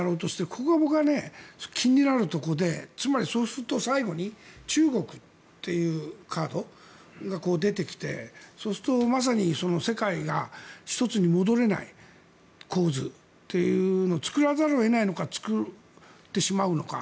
ここが僕が気になるところでつまり、そうなると最後に中国っていうカードが出てきてそうすると世界が１つに戻れない構図というのを作らざるを得ないのか作ってしまうのか。